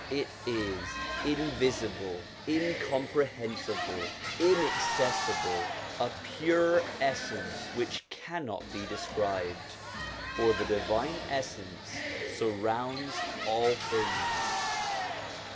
It is invisible, in comprehensible, inaccessible, a pure essence which cannot be described ; for the Divine Essence surrounds all things.